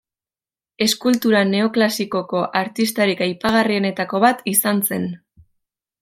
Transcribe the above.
Eskultura neoklasikoko artistarik aipagarrienetako bat izan zen.